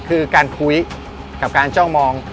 คือการคุยกับการจ้องมอง